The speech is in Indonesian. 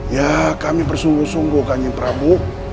ya kami bersungguh sungguh kanjeng prabu